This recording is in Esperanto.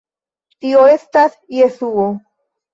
Tio estas Jesuo.